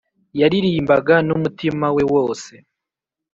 yaririmbaga n’umutima we wose,